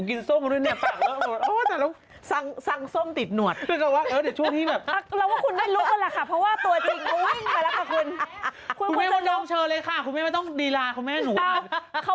กับเพื่อนออกเนอะ